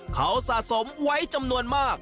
เขาสะสมไว้จำนวนมาก